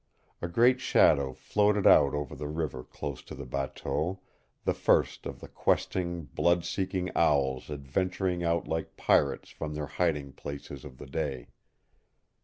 A great shadow floated out over the river close to the bateau, the first of the questing, blood seeking owls adventuring out like pirates from their hiding places of the day.